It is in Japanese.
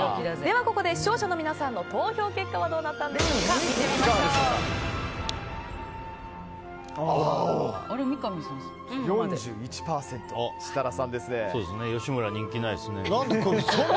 ここで視聴者の皆さんの投票結果はどうなったんでしょうか見てみましょう。